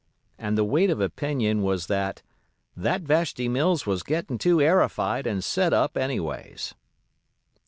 And the weight of opinion was that, "that Vashti Mills was gettin' too airified and set up anyways."